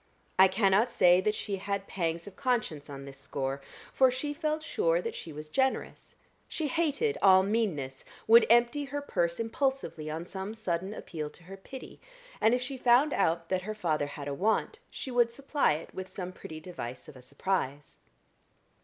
I can not say that she had pangs of conscience on this score; for she felt sure that she was generous: she hated all meanness, would empty her purse impulsively on some sudden appeal to her pity, and if she found out that her father had a want, she would supply it with some pretty device of a surprise.